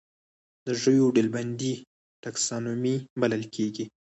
د ژویو ډلبندي ټکسانومي بلل کیږي